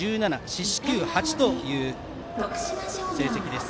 四死球８という成績です。